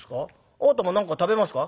あなたも何か食べますか？」。